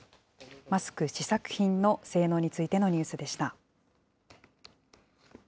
マスク試作品の性能についてのニュースでした。